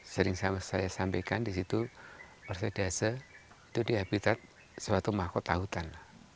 sering saya sampaikan di situ orsedase itu di habitat suatu mahkota hutan